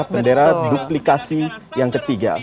bendera duplikasi yang ketiga